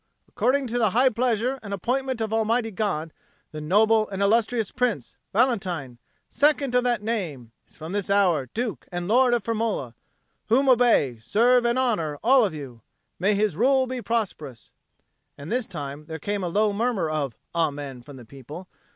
According to the high pleasure and appointment of Almighty God, the noble and illustrious Prince, Valentine, Second of that Name, is from this hour Duke and Lord of Firmola; whom obey, serve, and honour, all of you. May his rule be prosperous!" And this time there came a low murmur of "Amen" from the people.